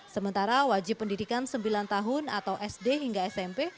sementara wajib pendidikan sembilan tahun atau sd hingga smp